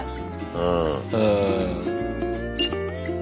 うん。